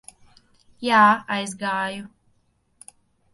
Jā, aizgāju.